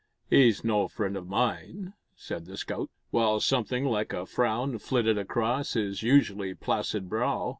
"He's no friend o' mine," said the scout, while something like a frown flitted across his usually placid brow.